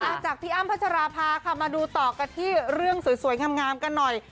จากพี่อ้ำพัชราภาค่ะมาดูต่อกันที่เรื่องสวยงามกันหน่อย